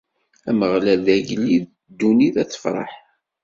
Ameɣlal, d agellid, ddunit ad tefreḥ.